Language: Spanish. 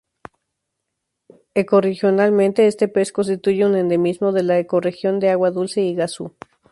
Ecorregionalmente este pez constituye un endemismo de la ecorregión de agua dulce Iguazú.